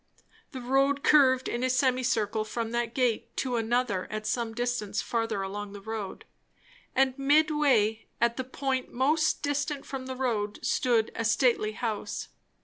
The road curved in a semi circle from that gate to another at some distance further along the road; and midway, at the point most distant from the road, stood a stately house.